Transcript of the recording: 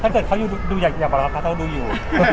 ถ้าเกิดเขาอยู่ดูอย่าบอกแล้วค่ะเขาดูอยู่